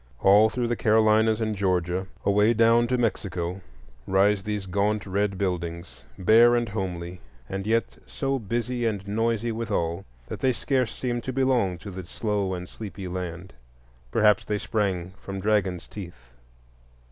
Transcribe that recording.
All through the Carolinas and Georgia, away down to Mexico, rise these gaunt red buildings, bare and homely, and yet so busy and noisy withal that they scarce seem to belong to the slow and sleepy land. Perhaps they sprang from dragons' teeth.